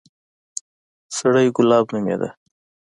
سړى ګلاب نومېده.